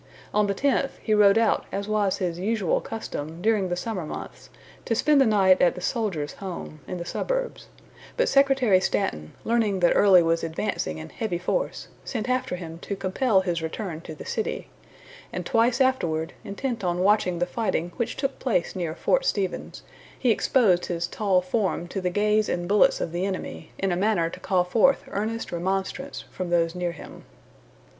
On the tenth, he rode out as was his usual custom during the summer months, to spend the night at the Soldiers' Home, in the suburbs; but Secretary Stanton, learning that Early was advancing in heavy force, sent after him to compel his return to the city; and twice afterward, intent on watching the fighting which took place near Fort Stevens, he exposed his tall form to the gaze and bullets of the enemy in a manner to call forth earnest remonstrance from those near him.